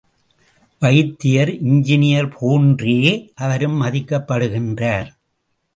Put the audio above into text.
வைத்தியர் இன்ஞ்சினியர் போன்றே அவரும் மதிக்கப்படுகின்றார்.